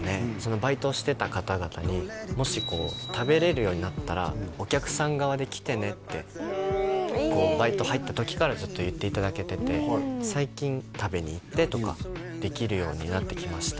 バイトしてた方々にもし食べれるようになったらお客さん側で来てねってこうバイト入った時からずっと言っていただけてて最近食べに行ってとかできるようになってきました